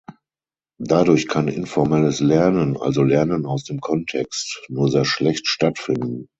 Dadurch kann informelles Lernen, also Lernen aus dem Kontext, nur sehr schlecht stattfinden.